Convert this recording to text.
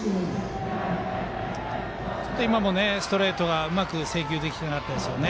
今もストレートがうまく制球できていなかったです。